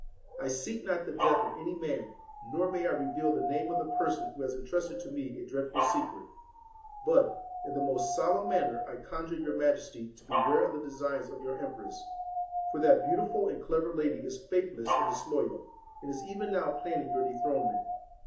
I seek not the death of any man, nor may I reveal the name of the person who has intrusted to me a dreadful secret ; but, in the most solemn manner, I conjure your majesty to beware of the designs of your empress ; for that beautiful and clever lady is faithless and disloyal, and is even now planning your dethronement.